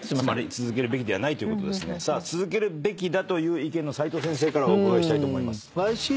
続けるべきだという意見の齋藤先生からお伺いしたいと。